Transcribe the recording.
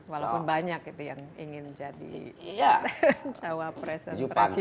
walaupun banyak itu yang ingin jadi cawapres dan presiden